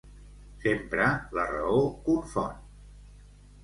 Sempre la raó confon.